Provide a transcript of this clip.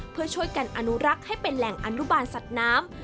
เพื่อช่วยกันอนุรักษ์ให้เป็นแหล่งอนุบาลสัตว์น้ำ